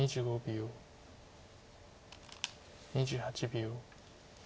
２８秒。